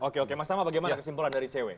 oke oke mas tama bagaimana kesimpulan dari icw